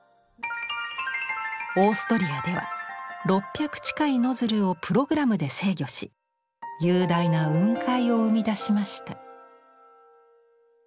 オーストリアでは６００近いノズルをプログラムで制御し雄大な雲海を生み出しました。